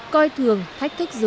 coi thường thách thức dư luận